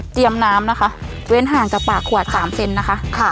เตรียมน้ำนะคะเว้นห่างกับปากควาดสามเซนต์นะคะค่ะ